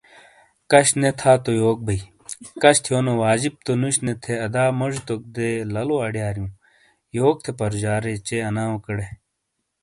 کش نے تھا یوک بئیی ۔کش تھیونو واجب تو نوش نے تھے ادا موجی توک دے لالو آڈیاریوں۔ یوک تھے پرُوجارے چے اناؤکیڈے۔